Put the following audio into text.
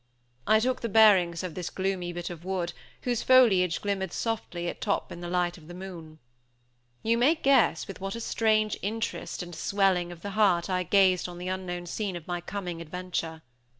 I took "the bearings" of this gloomy bit of wood, whose foliage glimmered softly at top in the light of the moon. You may guess with what a strange interest and swelling of the heart I gazed on the unknown scene of my coming adventure.